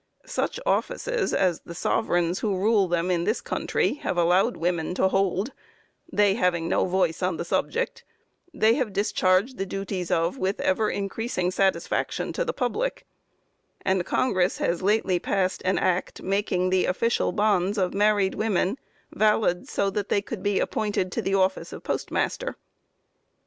Such offices as the "sovereigns" who rule them in this country have allowed women to hold (they having no voice on the subject), they have discharged the duties of with ever increasing satisfaction to the public; and Congress has lately passed an act, making the official bonds of married women valid, so that they could be appointed to the office of postmaster.